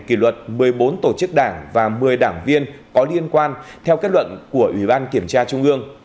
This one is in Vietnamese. kỷ luật một mươi bốn tổ chức đảng và một mươi đảng viên có liên quan theo kết luận của ủy ban kiểm tra trung ương